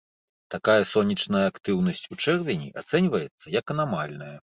Такая сонечная актыўнасць у чэрвені ацэньваецца як анамальная.